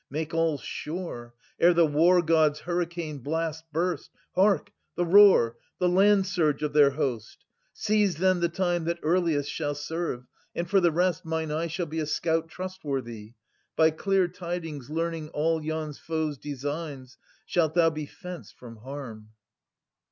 Make all sure, ere the War god's hurricane blast Burst — hark, the roar, the land surge of their host ! Seize then the time that earliest shall serve ; And, for the rest, mine eye shall be a scout Trustworthy : by clear tidings learning all Yon foes' designs, shalt thou be fenced from harm.